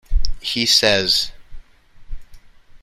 He says ...